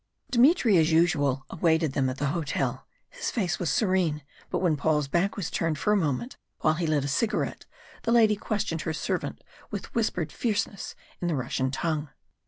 Dmitry as usual awaited them at the hotel; his face was serene, but when Paul's back was turned for a moment while he lit a cigarette, the lady questioned her servant with whispered fierceness in the Russian tongue.